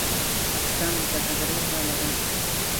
پاکستان د ترهګرۍ ځاله ده.